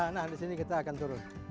nah di sini kita akan turun